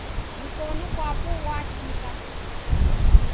Mkonu ghwapo ghwachika.